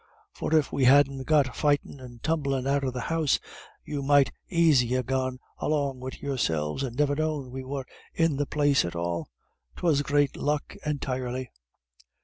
For if we hadn't got fightin' and tumblin' out of the house, you might aisy ha' gone along wid yourselves, and niver known we were in the place at all. 'Twas great luck entirely."